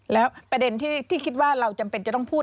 แล้วประเด็นที่คิดว่าเราจำเป็นจะต้องพูด